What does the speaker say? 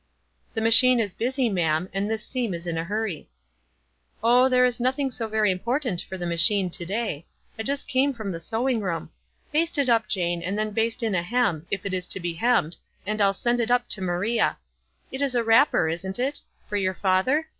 "The machine is busy, ma'am, and this seam is in a hurry." "Oh, there is nothing so very important for the machine to day. I just came from the sew ing room. Baste it up, Jane, and then baste in a hem, if it is to be hemmed, and I'll send it up to Maria. It is a wrapper, isn't it? For youv father?